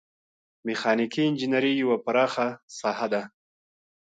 میخانیکي انجنیری یوه پراخه ساحه ده.